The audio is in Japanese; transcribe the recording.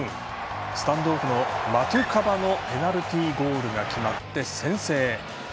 スタンドオフのマトゥカバのペナルティゴールが決まって先制。